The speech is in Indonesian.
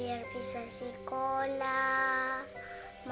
amin ya allah